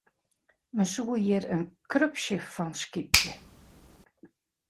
Men soe hjir in krupsje fan skypje.